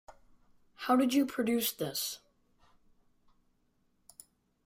How did you produce this?